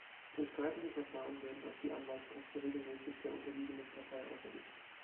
In streitigen Verfahren werden auch die Anwaltskosten regelmäßig der unterliegenden Partei auferlegt.